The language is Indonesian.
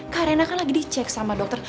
kak raina kan lagi dicek sama dokter